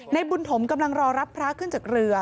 บุญถมกำลังรอรับพระขึ้นจากเรือ